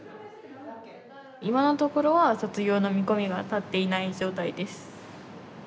今のところは卒業の見込みが立っていない状態です。